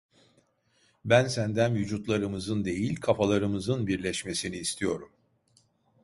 Ben senden vücutlarımızın değil kafalarımızın birleşmesini istiyorum…